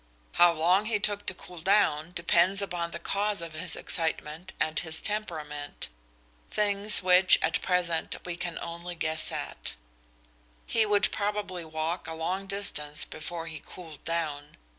How long he took to cool down depends upon the cause of his excitement and his temperament, things which, at present, we can only guess at. He would probably walk a long distance before he cooled down.